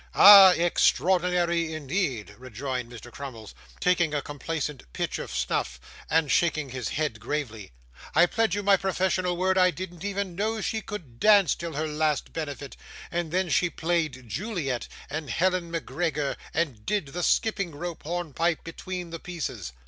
'Ah! extraordinary indeed,' rejoined Mr. Crummles, taking a complacent pinch of snuff, and shaking his head gravely. 'I pledge you my professional word I didn't even know she could dance, till her last benefit, and then she played Juliet, and Helen Macgregor, and did the skipping rope hornpipe between the pieces.